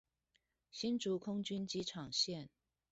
新竹空軍機場線